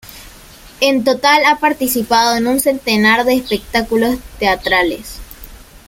En total ha participado en un centenar de espectáculos teatrales.